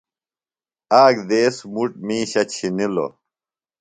آک دیس مُٹ میشہ چِھنلوۡ۔